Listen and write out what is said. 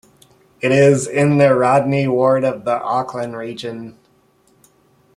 It is in the Rodney Ward of the Auckland Region.